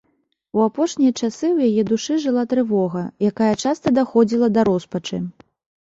У апошнія часы ў яе душы жыла трывога, якая часта даходзіла да роспачы.